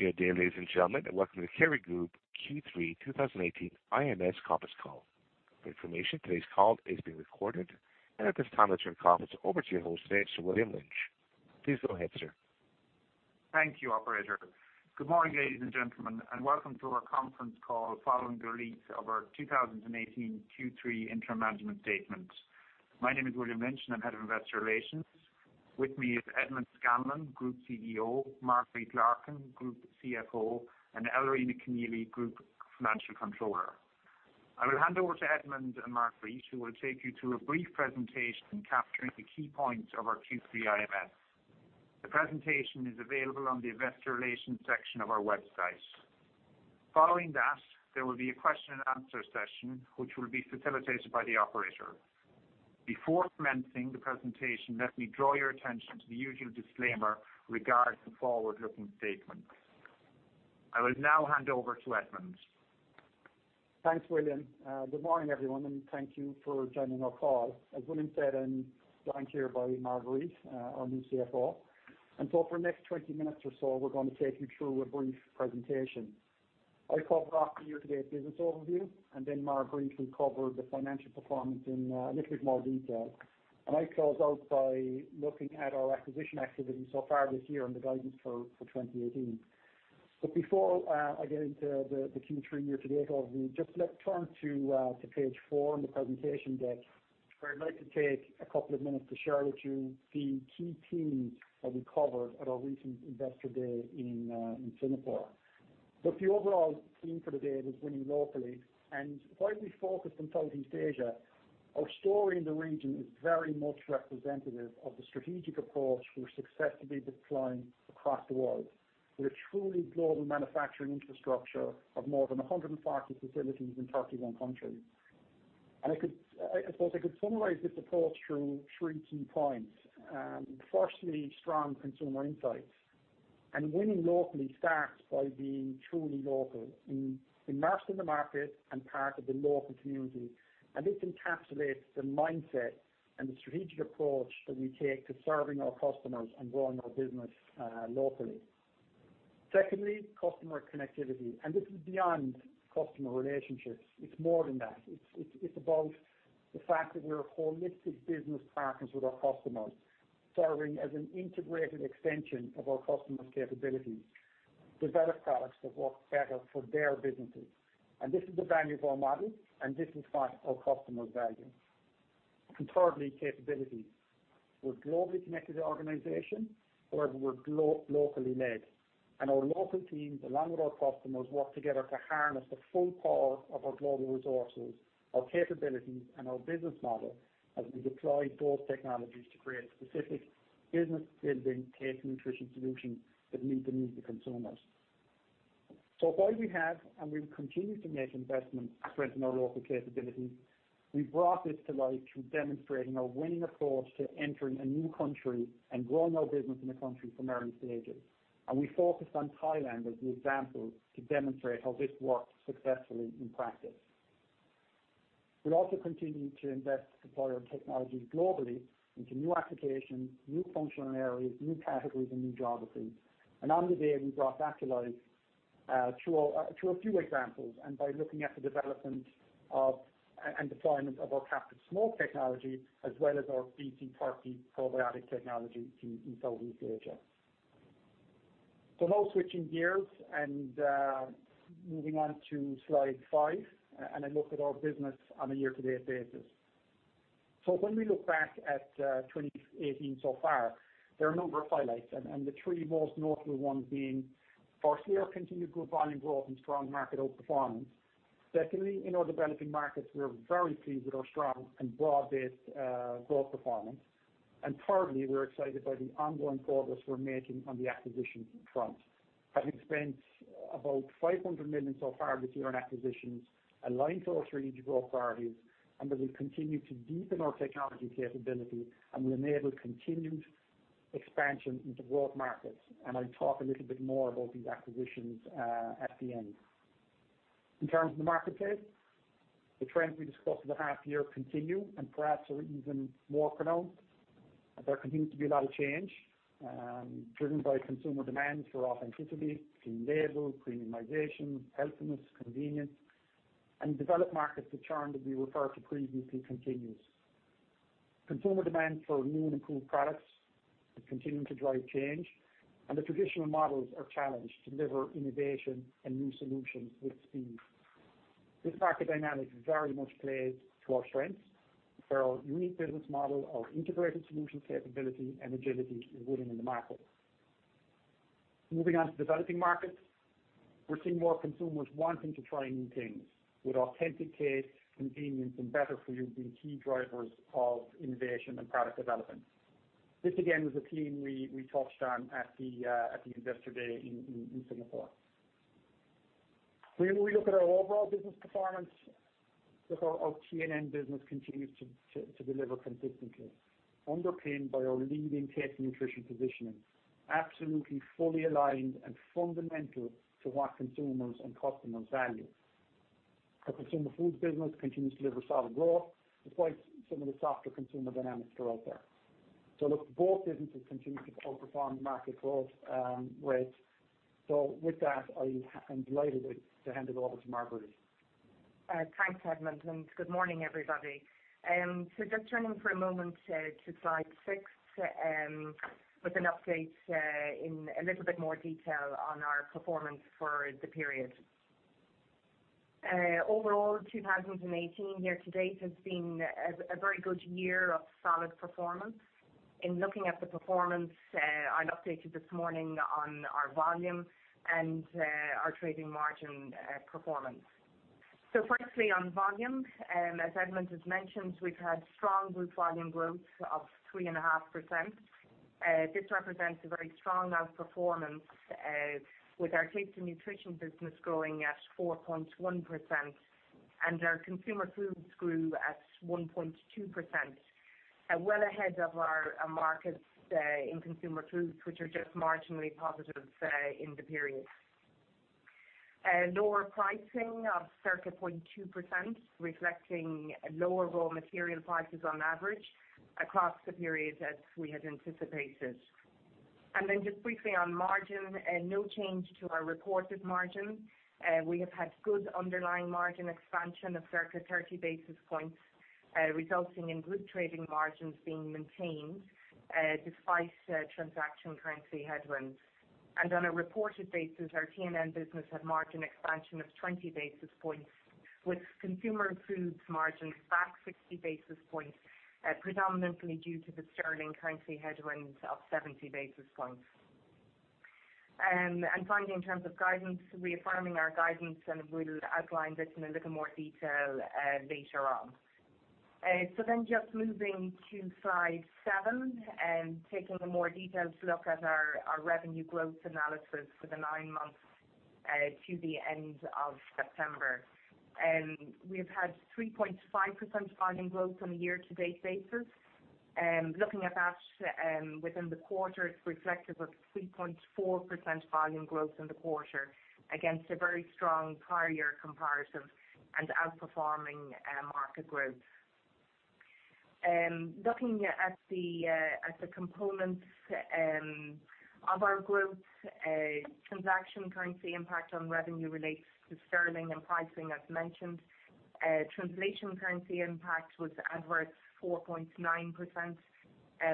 Good day, ladies and gentlemen, and welcome to the Kerry Group Q3 2018 IMS conference call. For information, today's call is being recorded. At this time I turn the conference over to your host, Mr. William Lynch. Please go ahead, sir. Thank you, operator. Good morning, ladies and gentlemen, welcome to our conference call following the release of our 2018 Q3 interim management statement. My name is William Lynch, I'm Head of Investor Relations. With me is Edmond Scanlon, Group CEO, Marguerite Larkin, Group CFO, and Elerina Conneely, Group Financial Controller. I will hand over to Edmond and Marguerite, who will take you through a brief presentation capturing the key points of our Q3 IMS. The presentation is available on the investor relations section of our website. Following that, there will be a question and answer session, which will be facilitated by the operator. Before commencing the presentation, let me draw your attention to the usual disclaimer regarding forward-looking statements. I will now hand over to Edmond. Thanks, William. Good morning, everyone, thank you for joining our call. As William said, I'm joined here by Marguerite, our new CFO. For the next 20 minutes or so, we're going to take you through a brief presentation. I'll cover the year-to-date business overview. Marguerite will cover the financial performance in a little bit more detail. I close out by looking at our acquisition activity so far this year and the guidance for 2018. Before I get into the Q3 year-to-date overview, just let's turn to page four in the presentation deck, where I'd like to take a couple of minutes to share with you the key themes that we covered at our recent investor day in Singapore. The overall theme for the day was winning locally, and while we focused on Southeast Asia, our story in the region is very much representative of the strategic approach we're successfully deploying across the world with a truly global manufacturing infrastructure of more than 140 facilities in 31 countries. I suppose I could summarize this approach through three key points. Firstly, strong consumer insights. Winning locally starts by being truly local, immersed in the market and part of the local community. This encapsulates the mindset and the strategic approach that we take to serving our customers and growing our business locally. Secondly, customer connectivity. This is beyond customer relationships. It's more than that. It's about the fact that we're holistic business partners with our customers, serving as an integrated extension of our customers' capabilities, develop products that work better for their businesses. This is the value of our model, and this is what our customers value. Thirdly, capability. We're a globally connected organization, however, we're locally led. Our local teams, along with our customers, work together to harness the full power of our global resources, our capabilities, and our business model as we deploy both technologies to create specific business-building Taste & Nutrition solutions that meet the needs of consumers. While we have and we will continue to make investments to strengthen our local capabilities, we've brought this to life through demonstrating our winning approach to entering a new country and growing our business in a country from early stages. We focused on Thailand as the example to demonstrate how this works successfully in practice. We'll also continue to invest to deploy our technologies globally into new applications, new functional areas, new categories, and new geographies. On the day, we brought that to life through a few examples and by looking at the development of and deployment of our captive smoke technology as well as our BC30 probiotic technology in Southeast Asia. Now switching gears and moving on to slide five and a look at our business on a year-to-date basis. When we look back at 2018 so far, there are a number of highlights and the three most notable ones being, firstly, our continued good volume growth and strong market outperformance. Secondly, in our developing markets, we are very pleased with our strong and broad-based growth performance. Thirdly, we're excited by the ongoing progress we're making on the acquisition front. Having spent about 500 million so far this year on acquisitions aligned to our strategic growth priorities and as we continue to deepen our technology capability and will enable continued expansion into growth markets. I'll talk a little bit more about these acquisitions at the end. In terms of the marketplace, the trends we discussed at the half year continue and perhaps are even more pronounced. There continues to be a lot of change driven by consumer demand for authenticity, clean label, premiumization, healthiness, convenience. In developed markets, the churn that we referred to previously continues. Consumer demand for new and improved products is continuing to drive change, and the traditional models are challenged to deliver innovation and new solutions with speed. This market dynamic very much plays to our strengths, for our unique business model of integrated solution capability and agility is winning in the market. Moving on to developing markets, we're seeing more consumers wanting to try new things with authentic taste, convenience, and better for you being key drivers of innovation and product development. This again was a theme we touched on at the investor day in Singapore. When we look at our overall business performance, our T&N business continues to deliver consistently, underpinned by our leading Taste & Nutrition positioning, absolutely fully aligned and fundamental to what consumers and customers value. Our Consumer Foods business continues to deliver solid growth despite some of the softer consumer dynamics that are out there. Look, both businesses continue to outperform the market growth rate. With that, I am delighted to hand it over to Marguerite. Thanks, Edmond, and good morning, everybody. Just turning for a moment to slide six, with an update in a little bit more detail on our performance for the period. Overall 2018 year to date has been a very good year of solid performance. In looking at the performance, I've updated this morning on our volume and our trading margin performance. Firstly, on volume, as Edmond has mentioned, we've had strong group volume growth of 3.5%. This represents a very strong outperformance, with our Taste & Nutrition business growing at 4.1%, and our Consumer Foods grew at 1.2%, well ahead of our markets in Consumer Foods, which are just marginally positive in the period. Lower pricing of circa 0.2%, reflecting lower raw material prices on average across the period as we had anticipated. Just briefly on margin, no change to our reported margin. We have had good underlying margin expansion of circa 30 basis points, resulting in group trading margins being maintained despite transaction currency headwinds. On a reported basis, our T&N business had margin expansion of 20 basis points, with Consumer Foods margins back 60 basis points, predominantly due to the GBP currency headwind of 70 basis points. Finally, in terms of guidance, reaffirming our guidance, and we'll outline this in a little more detail later on. Just moving to slide seven, and taking a more detailed look at our revenue growth analysis for the nine months to the end of September. We've had 3.5% volume growth on a year-to-date basis. Looking at that within the quarter, it's reflective of 3.4% volume growth in the quarter against a very strong prior year comparison and outperforming market growth. Looking at the components of our growth, transaction currency impact on revenue relates to GBP and pricing as mentioned. Translation currency impact was adverse 4.9%,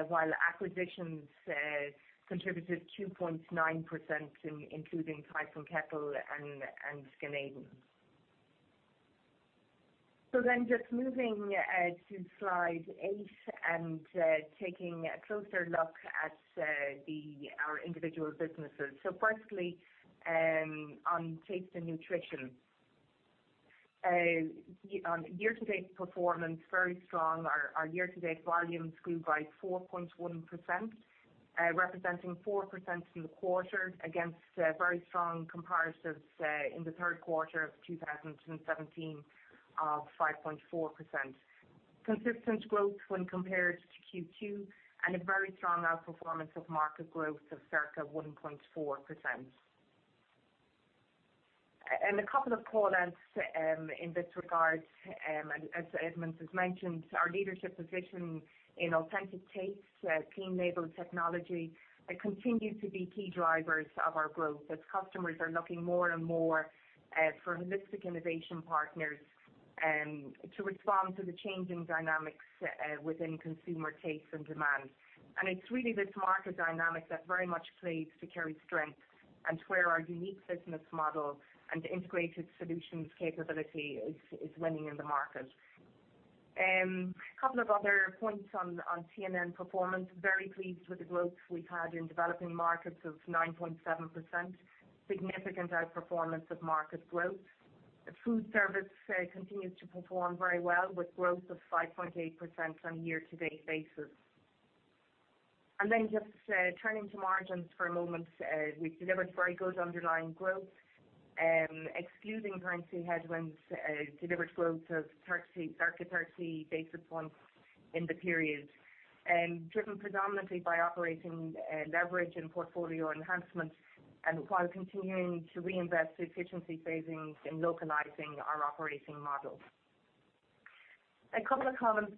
while acquisitions contributed 2.9% including Tyson Kettle and Ganeden. Just moving to slide eight and taking a closer look at our individual businesses. Firstly, on Taste & Nutrition. On year-to-date performance, very strong. Our year-to-date volumes grew by 4.1%, representing 4% in the quarter against very strong comparisons in the third quarter of 2017 of 5.4%. Consistent growth when compared to Q2 and a very strong outperformance of market growth of circa 1.4%. A couple of call outs in this regard, as Edmond has mentioned, our leadership position in authentic taste, clean label technology continues to be key drivers of our growth as customers are looking more and more for holistic innovation partners to respond to the changing dynamics within consumer taste and demand. It's really this market dynamic that very much plays to Kerry's strength and where our unique business model and integrated solutions capability is winning in the market. A couple of other points on T&N performance, very pleased with the growth we've had in developing markets of 9.7%. Significant outperformance of market growth. food service continues to perform very well with growth of 5.8% on a year to date basis. Just turning to margins for a moment. We've delivered very good underlying growth, excluding currency headwinds, delivered growth of circa 30 basis points in the period. Driven predominantly by operating leverage and portfolio enhancements while continuing to reinvest for efficiency savings in localizing our operating model. A couple of comments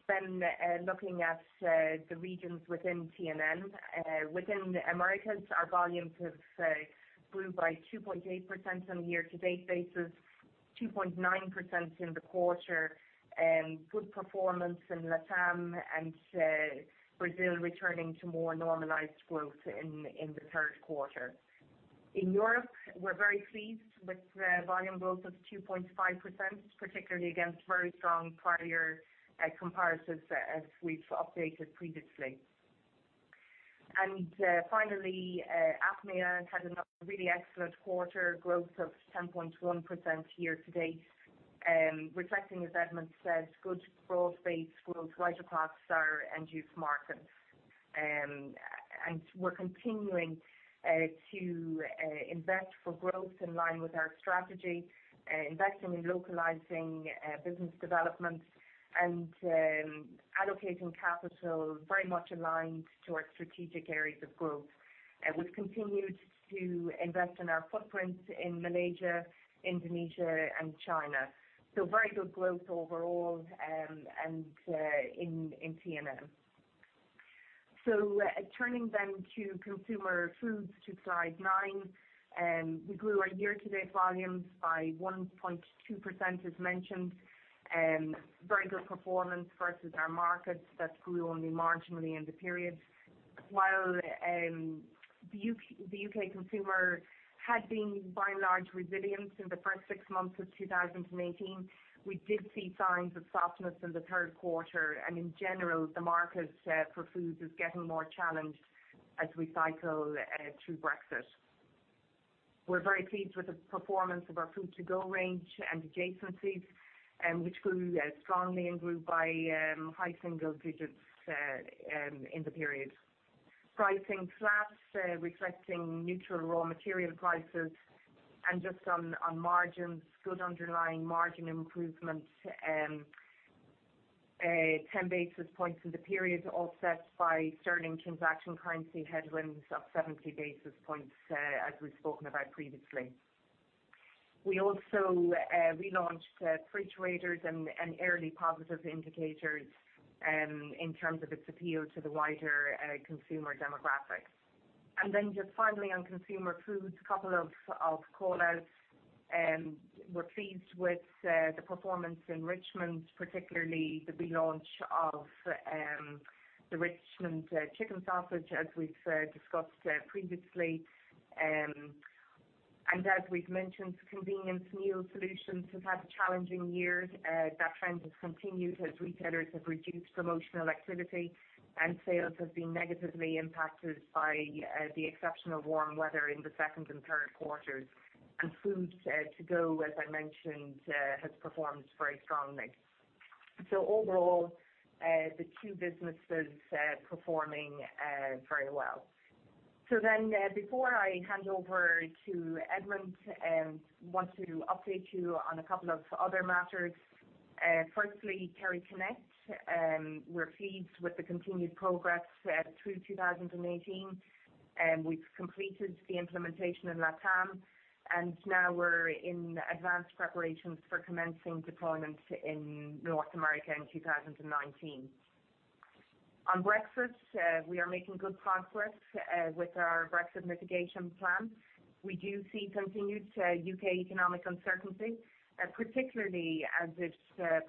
looking at the regions within T&N. Within the Americas, our volumes have grew by 2.8% on a year-to-date basis, 2.9% in the quarter. Good performance in LATAM and Brazil returning to more normalized growth in the third quarter. In Europe, we're very pleased with volume growth of 2.5%, particularly against very strong prior comparisons as we've updated previously. Finally, APMEA had a really excellent quarter, growth of 10.1% year to date. Reflecting, as Edmond said, good broad-based growth right across our end use markets. We're continuing to invest for growth in line with our strategy, investing in localizing business development and allocating capital very much aligned to our strategic areas of growth. We've continued to invest in our footprint in Malaysia, Indonesia, and China. Very good growth overall in T&N. Turning to Consumer Foods to slide nine. We grew our year-to-date volumes by 1.2%, as mentioned. Very good performance versus our markets that grew only marginally in the period. While the U.K. consumer had been by and large resilient in the first six months of 2018, we did see signs of softness in the third quarter. In general, the market for foods is getting more challenged as we cycle through Brexit. We're very pleased with the performance of our Food to Go range and adjacencies, which grew strongly and grew by high single digits in the period. Pricing slaps, reflecting neutral raw material prices and just on margins, good underlying margin improvement, 10 basis points in the period, offset by sterling transaction currency headwinds of 70 basis points, as we've spoken about previously. We also relaunched Fridge Raiders and early positive indicators in terms of its appeal to the wider consumer demographics. Just finally on Consumer Foods, couple of call-outs. We're pleased with the performance in Richmond, particularly the relaunch of the Richmond Chicken Sausage, as we've discussed previously. As we've mentioned, Convenience Meal Solutions have had a challenging year. That trend has continued as retailers have reduced promotional activity and sales have been negatively impacted by the exceptional warm weather in the second and third quarters. Foods to Go, as I mentioned, has performed very strongly. Overall, the two businesses performing very well. Before I hand over to Edmond, want to update you on a couple of other matters. Firstly, KerryConnect. We're pleased with the continued progress through 2018. We've completed the implementation in LATAM, and now we're in advanced preparations for commencing deployment in North America in 2019. On Brexit, we are making good progress with our Brexit mitigation plan. We do see continued U.K. economic uncertainty, particularly as it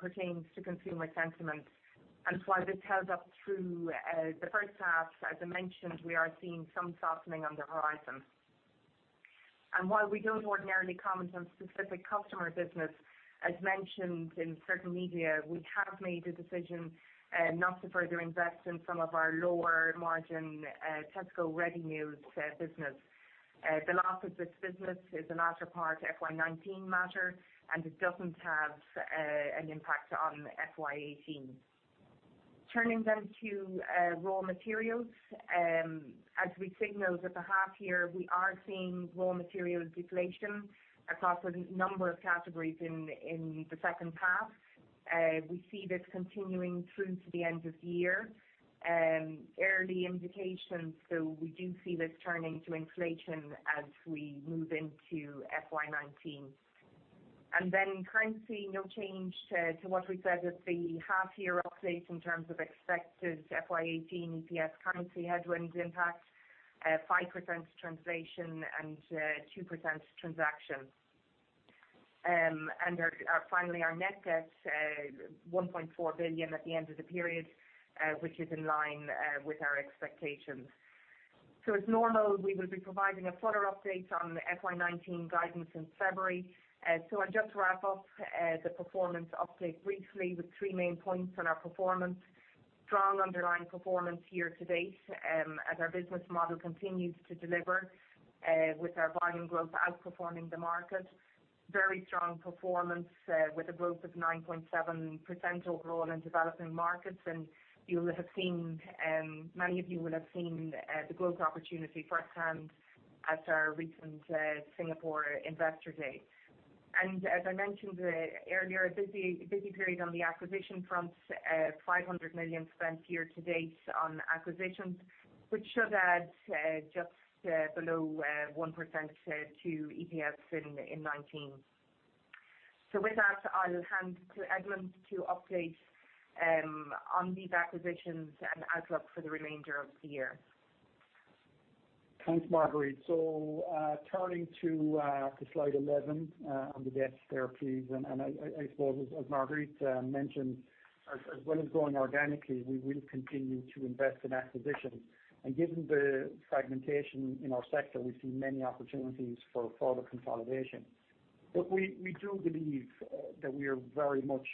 pertains to consumer sentiment. While this held up through the first half, as I mentioned, we are seeing some softening on the horizon. While we don't ordinarily comment on specific customer business, as mentioned in certain media, we have made a decision not to further invest in some of our lower margin Tesco ready meals business. The loss of this business is a latter part FY 2019 matter, and it doesn't have an impact on FY 2018. Turning to raw materials. As we signaled at the half year, we are seeing raw material deflation across a number of categories in the second half. We see this continuing through to the end of the year. Early indications though, we do see this turning to inflation as we move into FY 2019. Currency, no change to what we said at the half year update in terms of expected FY 2018 EPS currency headwinds impact, 5% translation and 2% transaction. Our net debt, 1.4 billion at the end of the period, which is in line with our expectations. As normal, we will be providing a fuller update on the FY 2019 guidance in February. I'll just wrap up the performance update briefly with three main points on our performance. Strong underlying performance year to date as our business model continues to deliver with our volume growth outperforming the market. Very strong performance with a growth of 9.7% overall in developing markets. Many of you will have seen the growth opportunity firsthand at our recent Singapore Investor Day. As I mentioned earlier, a busy period on the acquisition front, 500 million spent year to date on acquisitions, which should add just below 1% to EPS in 2019. With that, I'll hand to Edmond to update on these acquisitions and outlook for the remainder of the year. Thanks, Marguerite. Turning to slide 11 on the decks there, please. I suppose as Marguerite mentioned, as well as growing organically, we will continue to invest in acquisitions. Given the fragmentation in our sector, we see many opportunities for further consolidation. We do believe that we are very much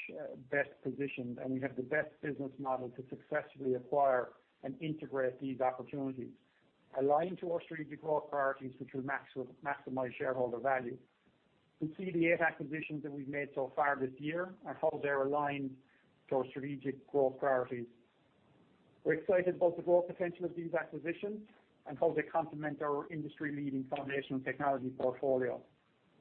best positioned, and we have the best business model to successfully acquire and integrate these opportunities. Aligned to our strategic growth priorities, which will maximize shareholder value. You see the eight acquisitions that we've made so far this year and how they're aligned to our strategic growth priorities. We're excited about the growth potential of these acquisitions and how they complement our industry-leading foundational technology portfolio.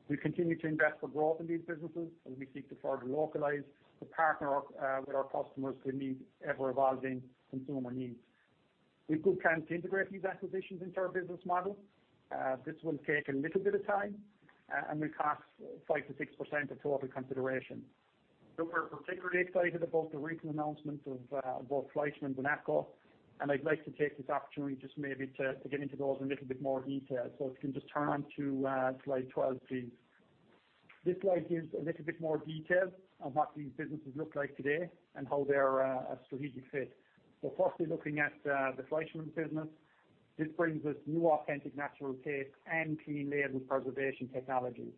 We continue to invest for growth in these businesses as we seek to further localize to partner with our customers to meet ever-evolving consumer needs. We've good plans to integrate these acquisitions into our business model. This will take a little bit of time, and will cost 5%-6% of total consideration. We're particularly excited about the recent announcements of both Fleischmann and AATCO, I'd like to take this opportunity just maybe to get into those in a little bit more detail. If you can just turn onto slide 12, please. This slide gives a little bit more detail on what these businesses look like today, and how they're a strategic fit. Firstly, looking at the Fleischmann business. This brings us new authentic natural taste and clean label preservation technologies.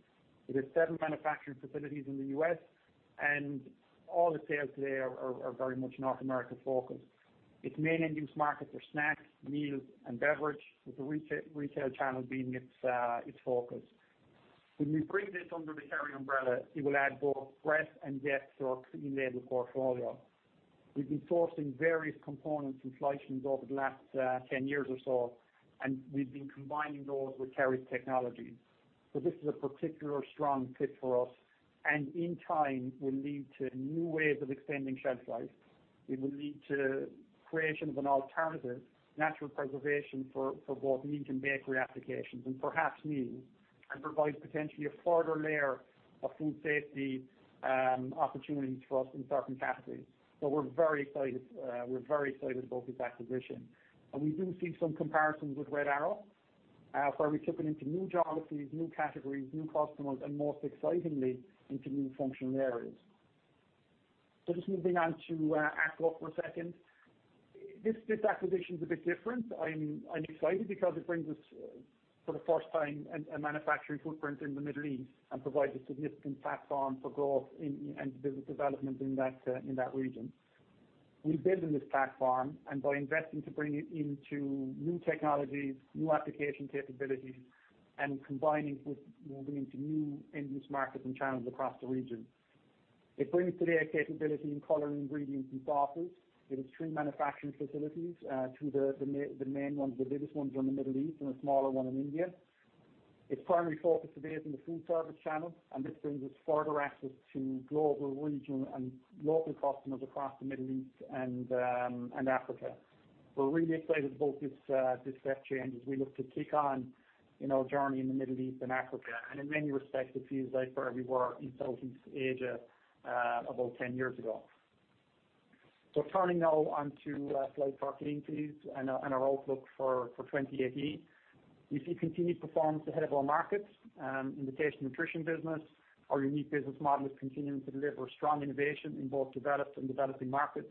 It has seven manufacturing facilities in the U.S. and all the sales today are very much North America focused. Its main end-use markets are snacks, meals, and beverage, with the retail channel being its focus. When we bring this under the Kerry umbrella, it will add both breadth and depth to our clean label portfolio. We've been sourcing various components from Fleischmann's over the last 10 years or so, and we've been combining those with Kerry's technology. This is a particular strong fit for us, and in time, will lead to new ways of extending shelf life. It will lead to creation of an alternative natural preservation for both meat and bakery applications, and perhaps new, and provide potentially a further layer of food safety opportunities for us in certain categories. We're very excited about this acquisition. We do see some comparisons with Red Arrow, where we took it into new geographies, new categories, new customers, and most excitingly, into new functional areas. Just moving on to AATCO for a second. This acquisition is a bit different. I'm excited because it brings us, for the first time, a manufacturing footprint in the Middle East and provides a significant platform for growth and business development in that region. We're building this platform and by investing to bring it into new technologies, new application capabilities, and combining with moving into new end-use markets and channels across the region. It brings today a capability in colorant ingredients and sauces. It has three manufacturing facilities. Two, the main ones, the biggest ones are in the Middle East, and a smaller one in India. Its primary focus today is in the food service channel, and this brings us further access to global, regional, and local customers across the Middle East and Africa. We're really excited about this step change as we look to kick on in our journey in the Middle East and Africa. In many respects, it feels like where we were in Southeast Asia about 10 years ago. Turning now onto slide 14, please, and our outlook for 2018. We see continued performance ahead of our markets in the Taste & Nutrition business. Our unique business model is continuing to deliver strong innovation in both developed and developing markets.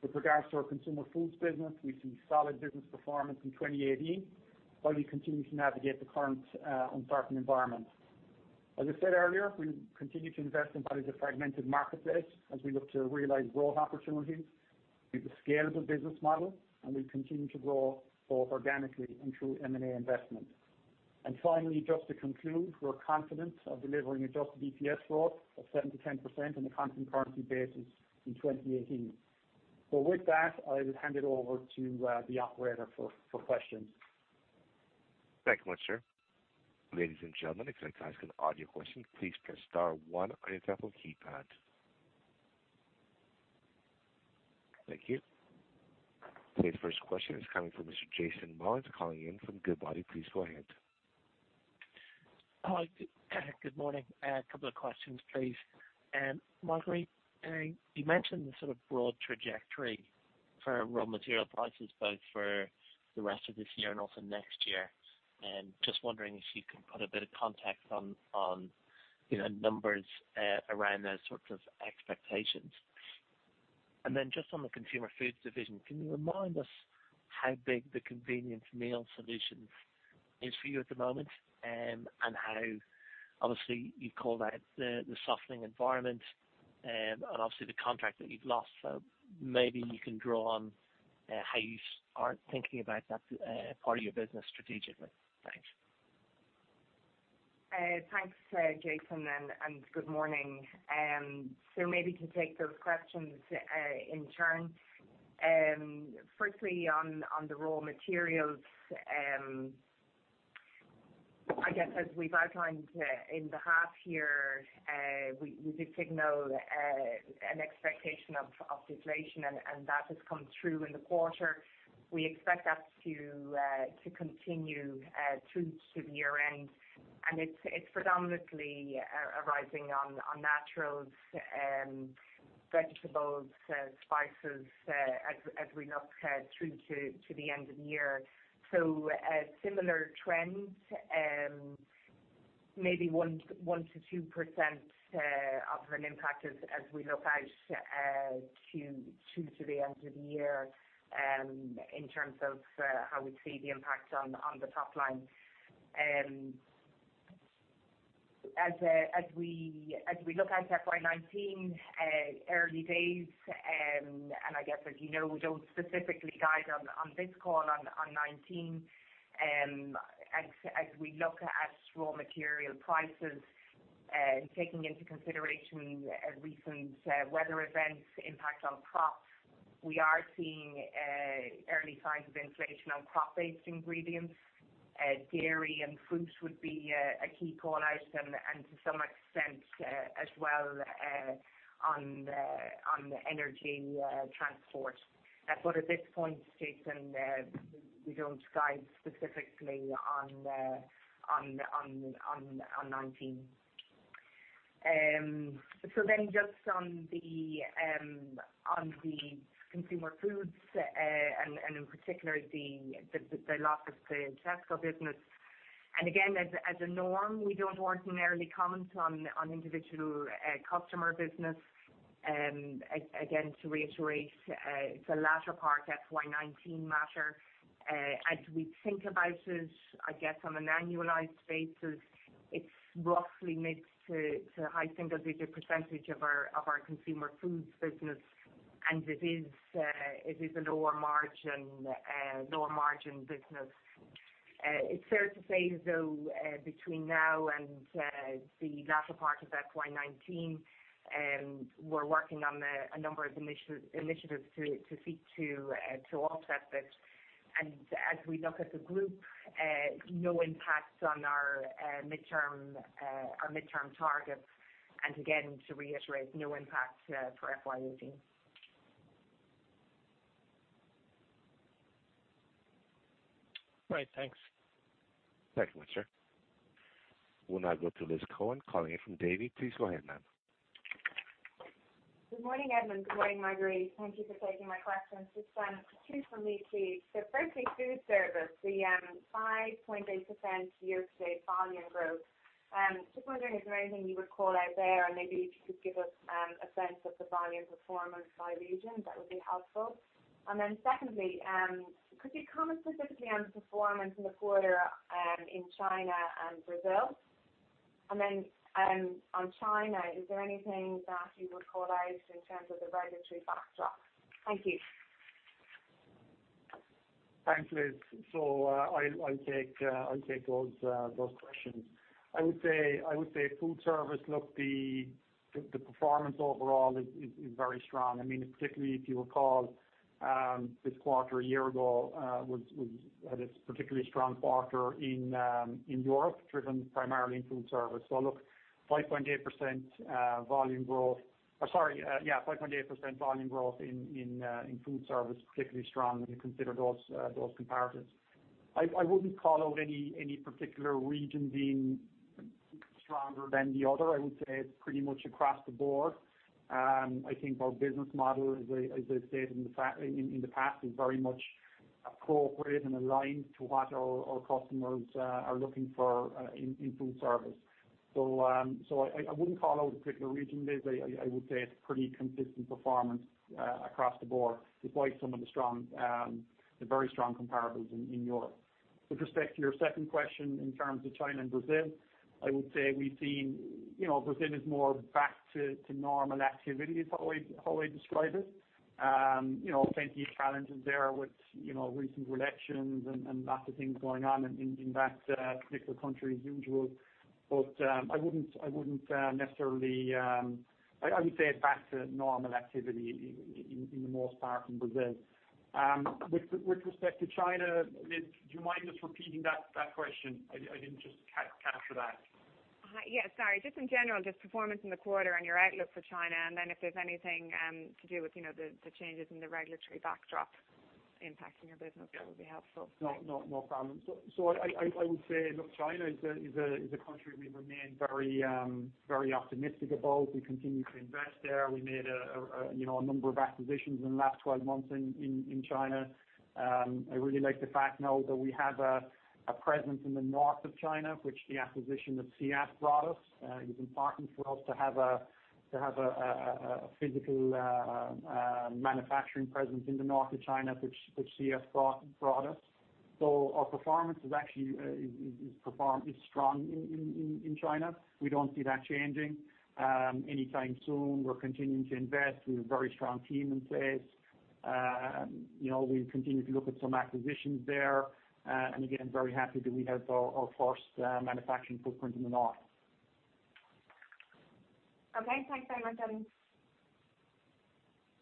With regards to our Consumer Foods business, we see solid business performance in 2018, while we continue to navigate the current uncertain environment. As I said earlier, we'll continue to invest in what is a fragmented marketplace as we look to realize growth opportunities with the scalable business model, and we'll continue to grow both organically and through M&A investment. Finally, just to conclude, we're confident of delivering adjusted EPS growth of 7%-10% on a constant currency basis in 2018. With that, I will hand it over to the operator for questions. Thank you much, sir. Ladies and gentlemen, if you'd like to ask an audio question, please press star one on your telephone keypad. Thank you. The first question is coming from Mr. Jason Molins, calling in from Goodbody. Please go ahead. Hi. Good morning. A couple of questions, please. Marguerite, you mentioned the sort of broad trajectory for raw material prices, both for the rest of this year and also next year. Just wondering if you could put a bit of context on numbers around those sorts of expectations. Just on the Consumer Foods division, can you remind us how big the Convenience Meal Solutions is for you at the moment? Obviously, you call that the softening environment and obviously the contract that you've lost. Maybe you can draw on how you are thinking about that part of your business strategically. Thanks. Thanks, Jason, and good morning. Maybe to take those questions in turn. Firstly, on the raw materials, I guess as we've outlined in the half year, we did signal an expectation of inflation, and that has come through in the quarter. We expect that to continue through to the year-end. It's predominantly arising on naturals, vegetables, spices, as we look through to the end of the year. A similar trend, maybe 1%-2% of an impact as we look out to the end of the year in terms of how we see the impact on the top line. As we look out to FY 2019, early days, and I guess as you know, we don't specifically guide on this call on 2019. As we look at raw material prices, taking into consideration recent weather events' impact on crops, we are seeing early signs of inflation on crop-based ingredients. Dairy and fruits would be a key call-out, and to some extent as well on the energy transport. At this point, Jason, we don't guide specifically on 2019. Just on the Consumer Foods, and in particular the loss of the Tesco business. Again, as a norm, we don't ordinarily comment on individual customer business. Again, to reiterate, the latter part FY 2019 matter as we think about it, I guess, on an annualized basis, it's roughly mid to high single digit percentage of our Consumer Foods business. It is a lower margin business. It's fair to say, though, between now and the latter part of FY 2019, we're working on a number of initiatives to seek to alter that bit. As we look at the group, no impact on our midterm targets and again, to reiterate, no impact for FY 2018. Right. Thanks. Thank you, sir. We will now go to Liz Coen calling in from Davy. Please go ahead, ma'am. Good morning, Edmond. Good morning, Marguerite. Thank you for taking my questions. Just two from me, please. Firstly, food service, the 5.8% year-to-date volume growth. Just wondering, is there anything you would call out there? Maybe if you could give us a sense of the volume performance by region, that would be helpful. Then secondly, could you comment specifically on the performance in the quarter in China and Brazil? Then on China, is there anything that you would call out in terms of the regulatory backdrop? Thank you. Thanks, Liz. I'll take those questions. I would say food service, look, the performance overall is very strong. Particularly if you recall, this quarter a year ago had a particularly strong quarter in Europe, driven primarily in food service. Look, 5.8% volume growth in food service, particularly strong when you consider those comparatives. I wouldn't call out any particular region being stronger than the other. I would say it's pretty much across the board. I think our business model, as I've said in the past, is very much appropriate and aligned to what our customers are looking for in food service. I wouldn't call out a particular region, Liz. I would say it's pretty consistent performance across the board despite some of the very strong comparables in Europe. With respect to your second question in terms of China and Brazil, I would say we've seen Brazil is more back to normal activity is how I describe it. Plenty of challenges there with recent elections and lots of things going on in that particular country as usual. I would say it's back to normal activity in the most part in Brazil. With respect to China, Liz, do you mind just repeating that question? I didn't just catch that. Yeah, sorry. Just in general, performance in the quarter and your outlook for China, and then if there's anything to do with the changes in the regulatory backdrop impacting your business, that would be helpful. Thanks. No problem. I would say, look, China is a country we remain very optimistic about. We continue to invest there. We made a number of acquisitions in the last 12 months in China. I really like the fact now that we have a presence in the north of China, which the acquisition of SIAS brought us. It's important for us to have a physical manufacturing presence in the north of China, which SIAS brought us. Our performance is actually strong in China. We don't see that changing anytime soon. We're continuing to invest. We have a very strong team in place. We'll continue to look at some acquisitions there. Again, very happy that we have our first manufacturing footprint in the north. Okay. Thanks very much, Edmond.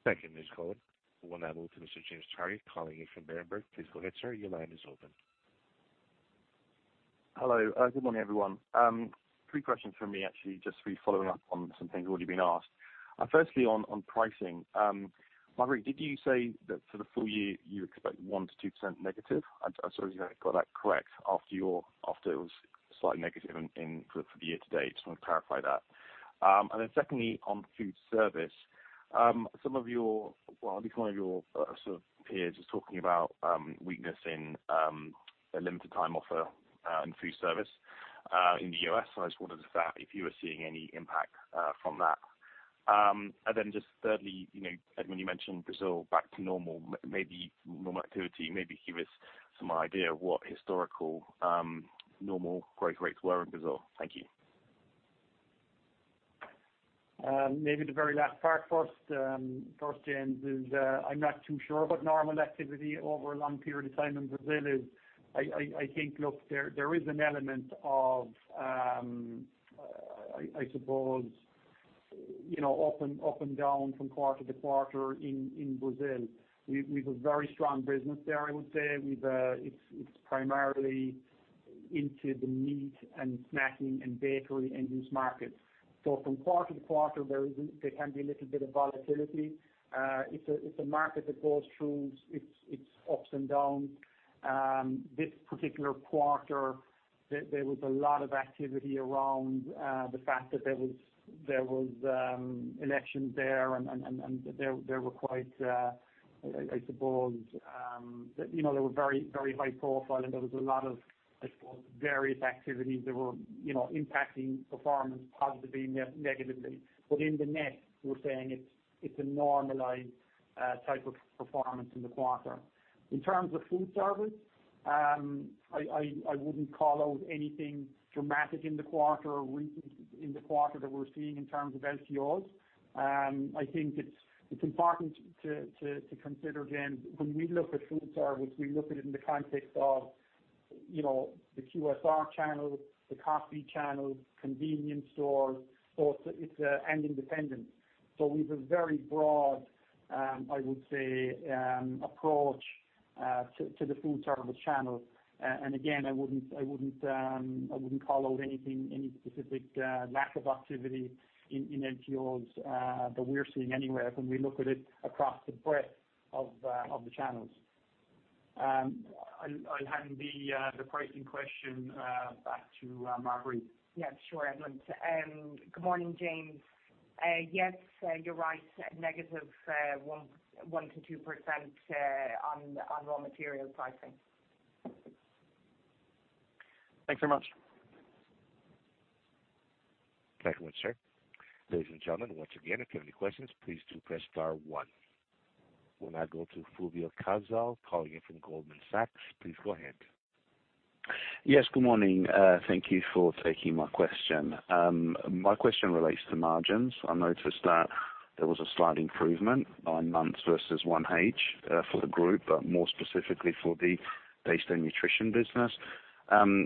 Thank you, Ms. Coen. We will now go to Mr. James Targett calling in from Berenberg. Please go ahead, sir. Your line is open. Hello. Good morning, everyone. Three questions from me, actually, just really following up on some things already been asked. Firstly, on pricing. Marguerite, did you say that for the full year, you expect 1%-2% negative? I just want to see if I got that correct after it was slightly negative for the year to date. Just want to clarify that. Secondly, on food service. Some of your peers are talking about weakness in a limited time offer in food service in the U.S. I just wondered if you were seeing any impact from that. Thirdly, Edmond, you mentioned Brazil back to normal activity. Maybe give us some idea of what historical normal growth rates were in Brazil. Thank you. Maybe the very last part first, James, is I am not too sure about normal activity over a long period of time in Brazil. I think, look, there is an element of, I suppose Up and down from quarter to quarter in Brazil. We have a very strong business there, I would say. It's primarily into the meat and snacking and bakery end-use markets. From quarter to quarter, there can be a little bit of volatility. It's a market that goes through its ups and downs. This particular quarter, there was a lot of activity around the fact that there was elections there, and they were very high profile, and there was a lot of various activities that were impacting performance positively, negatively. In the net, we're saying it's a normalized type of performance in the quarter. In terms of food service, I wouldn't call out anything dramatic in the quarter or recent in the quarter that we're seeing in terms of LTOs. I think it's important to consider, James, when we look at food service, we look at it in the context of the QSR channel, the coffee channel, convenience stores, and independent. We've a very broad, I would say, approach to the food service channel. Again, I wouldn't call out any specific lack of activity in LTOs that we're seeing anywhere when we look at it across the breadth of the channels. I'll hand the pricing question back to Marguerite. Yeah, sure. Good morning, James. Yes, you're right, negative 1% to 2% on raw material pricing. Thanks very much. Thank you much, sir. Ladies and gentlemen, once again, if you have any questions, please do press star one. We will now go to Fulvio Cazzol calling in from Goldman Sachs. Please go ahead. Yes, good morning. Thank you for taking my question. My question relates to margins. I noticed that there was a slight improvement nine months versus 1H for the group, but more specifically for the Taste & Nutrition business.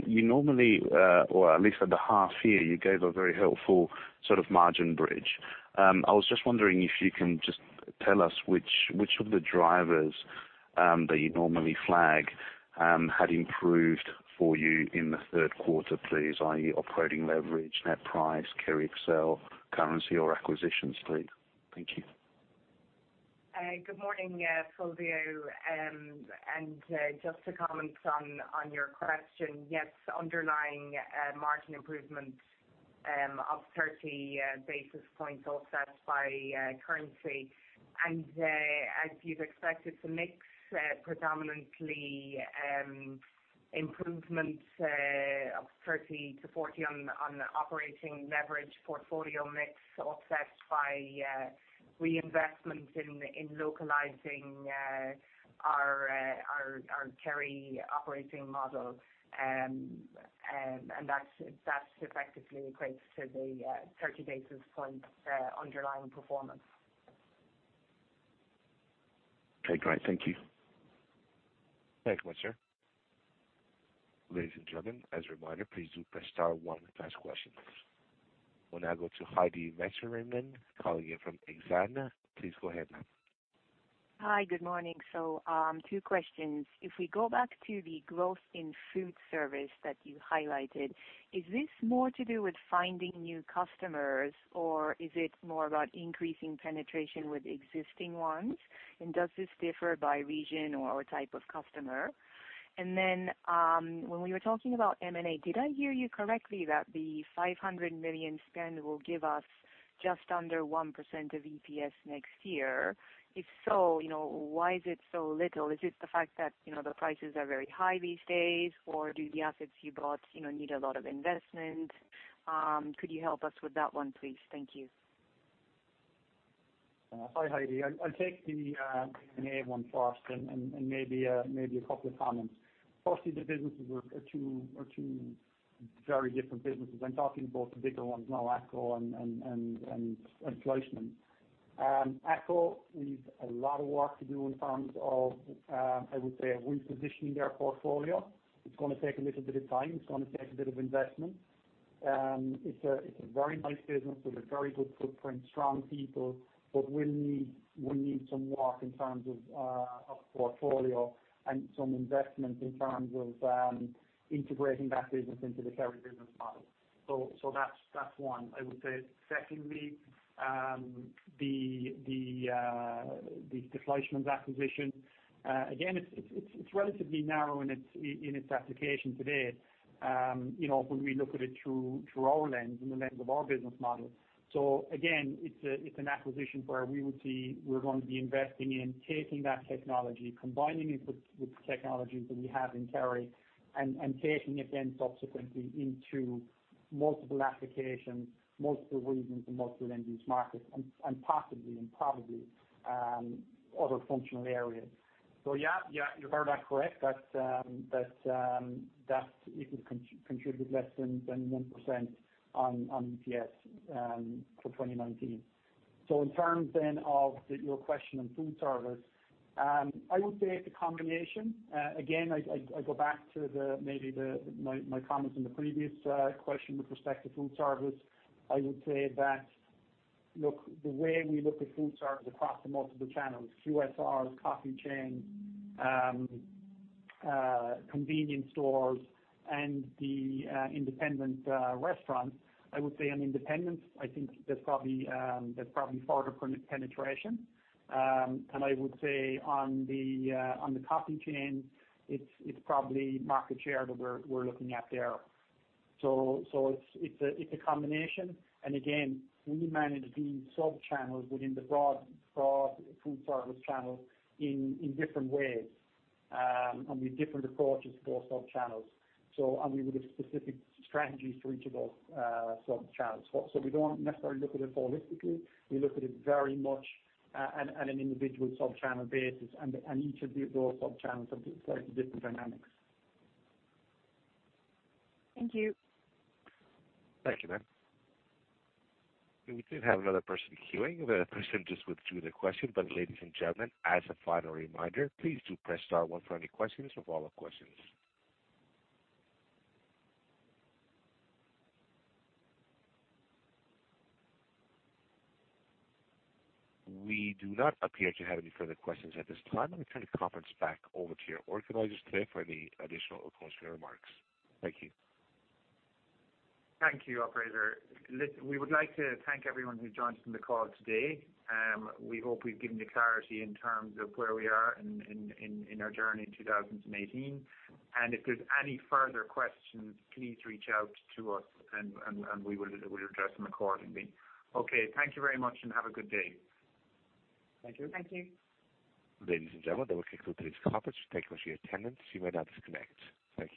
You normally, or at least at the half year, you gave a very helpful sort of margin bridge. I was just wondering if you can just tell us which of the drivers that you normally flag had improved for you in the third quarter, please, i.e., operating leverage, net price, Kerry sales, currency, or acquisitions, please. Thank you. Good morning, Fulvio. Just to comment on your question, yes, underlying margin improvement of 30 basis points offset by currency. As you would expect it to mix predominantly improvements of 30 to 40 on the operating leverage portfolio mix offset by reinvestment in localizing our Kerry operating model, and that effectively equates to the 30 basis points underlying performance. Okay, great. Thank you. Thank you much, sir. Ladies and gentlemen, as a reminder, please do press star one to ask questions. We'll now go to Heidi Vesterinen calling in from Exane. Please go ahead. Hi. Good morning. Two questions. If we go back to the growth in food service that you highlighted, is this more to do with finding new customers, or is it more about increasing penetration with existing ones? Does this differ by region or type of customer? When we were talking about M&A, did I hear you correctly that the 500 million spend will give us just under 1% of EPS next year? If so, why is it so little? Is it the fact that the prices are very high these days, or do the assets you bought need a lot of investment? Could you help us with that one, please? Thank you. Hi, Heidi. I'll take the M&A one first and maybe a couple of comments. Firstly, the businesses are two very different businesses. I'm talking both the bigger ones now, AATCO and Fleischmann. AATCO needs a lot of work to do in terms of, I would say, repositioning their portfolio. It's going to take a little bit of time. It's going to take a bit of investment. It's a very nice business with a very good footprint, strong people, but we need some work in terms of portfolio and some investment in terms of integrating that business into the Kerry business model. That's one. I would say secondly, the Fleischmann's acquisition, again, it's relatively narrow in its application today when we look at it through our lens and the lens of our business model. Again, it's an acquisition where we would see we're going to be investing in taking that technology, combining it with the technologies that we have in Kerry, and taking it then subsequently into multiple applications, multiple regions, and multiple end-use markets and possibly in probably other functional areas. Yeah, you heard that correct, that it will contribute less than 1% on EPS for 2019. In terms then of your question on food service, I would say it's a combination. Again, I go back to my comments in the previous question with respect to food service. I would say that, look, the way we look at food service across the multiple channels, QSRs, coffee chains, convenience stores, and the independent restaurants, I would say on independents, I think there's probably further penetration. I would say on the coffee chain, it's probably market share that we're looking at there. It's a combination. Again, we manage these sub-channels within the broad food service channel in different ways, with different approaches to those sub-channels. We would have specific strategies for each of those sub-channels. We don't necessarily look at it holistically. We look at it very much at an individual sub-channel basis. Each of those sub-channels have slightly different dynamics. Thank you. Thank you, ma'am. We did have another person queuing. That person just withdrew their question. Ladies and gentlemen, as a final reminder, please do press star one for any questions, we'll follow questions. We do not appear to have any further questions at this time. Let me turn the conference back over to your organizers today for any additional closing remarks. Thank you. Thank you, operator. We would like to thank everyone who joined us on the call today. We hope we've given you clarity in terms of where we are in our journey in 2018. If there's any further questions, please reach out to us and we will address them accordingly. Thank you very much and have a good day. Thank you. Ladies and gentlemen, that will conclude today's conference. Thank you for your attendance. You may now disconnect. Thank you.